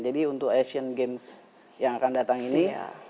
jadi untuk asian games yang akan datang ini